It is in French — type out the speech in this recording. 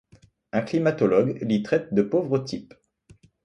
Un climatologue l'y traite de pauvre type.